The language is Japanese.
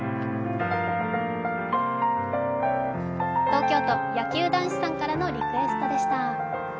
東京都野球男子さんからのリクエストでした。